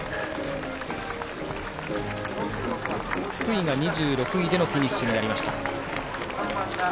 福井が２６位でのフィニッシュになりました。